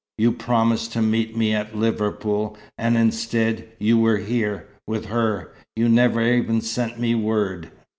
You promised to meet me at Liverpool and instead, you were here with her. You never even sent me word.